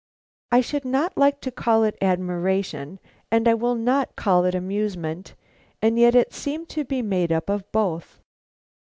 I should not like to call it admiration and will not call it amusement, and yet it seemed to be made up of both.